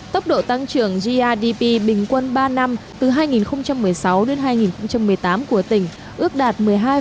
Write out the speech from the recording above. tốc độ tăng trưởng grdp bình quân ba năm từ hai nghìn một mươi sáu hai nghìn một mươi tám của tỉnh ước đạt một mươi hai ba mươi ba